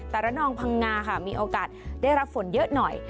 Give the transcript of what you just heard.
ระนองพังงาค่ะมีโอกาสได้รับฝนเยอะหน่อย